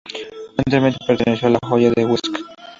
Anteriormente perteneció a la Hoya de Huesca.